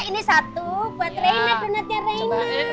ini satu buat reina donatnya reina